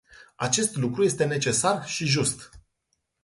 Acest lucru este necesar și just.